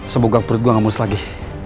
semoga perut gue gak mulus lagi